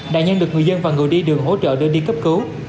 nạn nhân được người dân và người đi đường hỗ trợ đưa đi cấp cứu